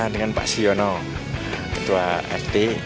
dengan pak siono ketua rt